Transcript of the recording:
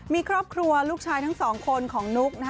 มีครอบครัวลูกชายทั้งสองคนของนุ๊ก